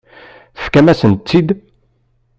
Tefkam-asent-tt-id.